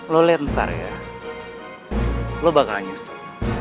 lo liat ntar ya lo bakalan nyesel